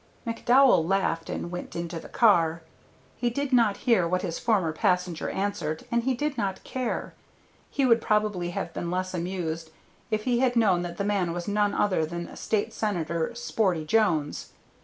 McDowell laughed and went into the car. He did not hear what his former passenger answered, and he did not care. He would probably have been less amused if he had known that the man was none other than State Senator "Sporty" Jones.